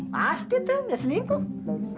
pasti tuh dia selingkuh